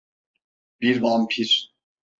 Bir vampir.